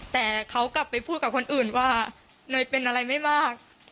แต่เขากลับไปพูดกับคนอื่นว่าเนยเป็นอะไรไม่มาก